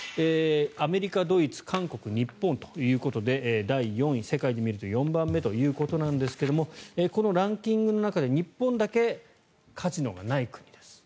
アメリカ、ドイツ、韓国日本ということで第４位、世界で見ると４番目ということなんですがこのランキングの中で日本だけカジノがない国です。